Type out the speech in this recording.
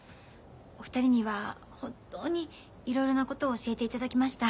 お二人には本当にいろいろなことを教えていただきました。